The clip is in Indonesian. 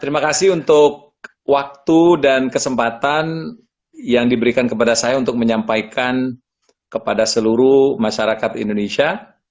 terima kasih untuk waktu dan kesempatan yang diberikan kepada saya untuk menyampaikan kepada seluruh masyarakat indonesia